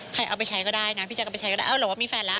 เอาไปใช้ก็ได้นะพี่แจ๊ก็ไปใช้ก็ได้เอ้าหรือว่ามีแฟนแล้ว